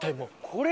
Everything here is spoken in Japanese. これ。